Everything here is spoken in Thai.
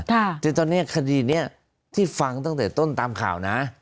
คือตอนนี้คดีนี้ที่ฟังตั้งแต่ต้นตามข่าวนะ